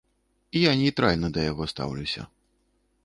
Я нейтральна да яго стаўлюся.